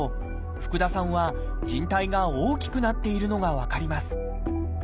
福田さんはじん帯が大きくなっているのが分かります。